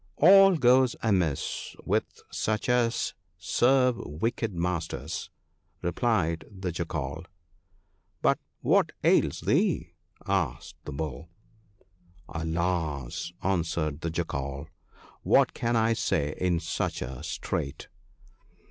' 'All goes amiss with such as serve wicked masters,' replied the Jackal. 1 But what ails thee ?' asked the Bull. ' Alas !' answered the Jackal, ' what can I say in such a strait